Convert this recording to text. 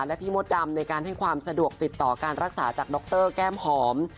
และพี่มดดำในการให้ความสะดวกติดต่อการรักษาจากดรแก้มหอม